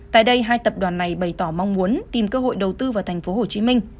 tại đây hai tập đoàn này bày tỏ mong muốn tìm cơ hội đầu tư vào tp hcm